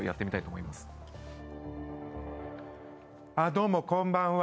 どうもこんばんは。